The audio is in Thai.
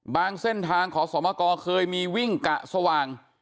เส้นทางขอสมกรเคยมีวิ่งกะสว่าง